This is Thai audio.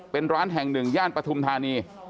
เป็นร้านแห่งหนึ่งย่านปฐุมธานี